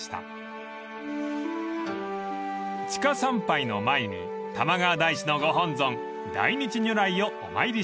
［地下参拝の前に玉川大師のご本尊大日如来をお参りします］